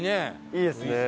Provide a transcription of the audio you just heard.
いいですね。